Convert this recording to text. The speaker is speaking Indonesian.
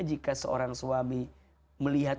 jika seorang suami melihat